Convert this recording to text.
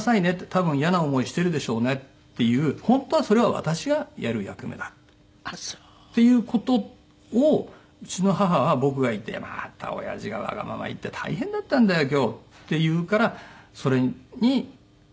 多分イヤな思いしてるでしょうねっていう本当はそれは私がやる役目だっていう事をうちの母は僕が行って「またおやじがわがまま言って大変だったんだよ今日」って言うからそれにあっそれを謝ってたんだ。